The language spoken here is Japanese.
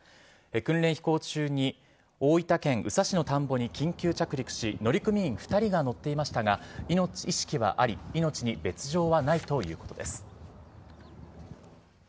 訓練飛行中に大分県宇佐市の田んぼに緊急着陸し、乗組員２人が乗っていましたが、意識はあり、命に別状はないということです。